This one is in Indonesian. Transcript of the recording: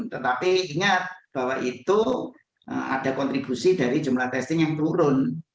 tetapi ingat bahwa itu ada kontribusi dari jumlah testing yang turun